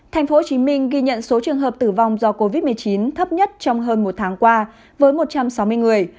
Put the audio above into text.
thành phố hồ chí minh ghi nhận số trường hợp tử vong do covid một mươi chín thấp nhất trong hơn một tháng qua với một trăm sáu mươi người